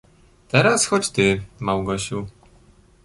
"Teraz chodź ty, Małgosiu."